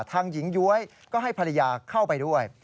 หญิงย้วยก็ให้ภรรยาเข้าไปด้วย